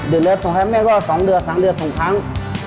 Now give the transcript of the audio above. เดือดแล้วส่งให้แม่ก็สองเดือสามเดือสองครั้ง